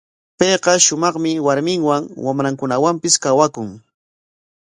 Payqa shumaqmi warminwan, wamrankunawanpis kawakun.